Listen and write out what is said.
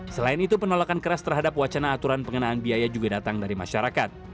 selain itu penolakan keras terhadap wacana aturan pengenaan biaya juga datang dari masyarakat